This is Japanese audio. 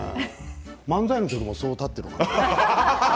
漫才の時もそう立ってるかな。